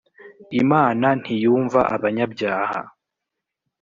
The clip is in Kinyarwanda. imana ntiyumva abanyabyaha